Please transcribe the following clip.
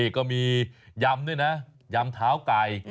ก็มียำด้วยนะยำเท้าไก่